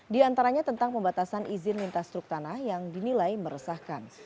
di antaranya tentang pembatasan izin lintas truk tanah yang dinilai meresahkan